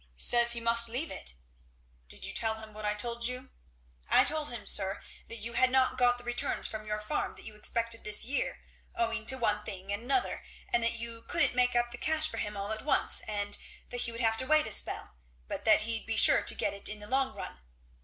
"Says he must have it." "Did you tell him what I told you?" "I told him, sir, that you had not got the returns from your farm that you expected this year, owing to one thing and 'nother; and that you couldn't make up the cash for him all at once; and that he would have to wait a spell, but that he'd be sure to get it in the long run.